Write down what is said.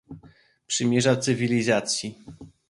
Przymierza Cywilizacji